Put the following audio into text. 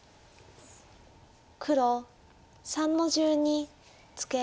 黒３の十二ツケ。